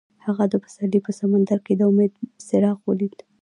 هغه د پسرلی په سمندر کې د امید څراغ ولید.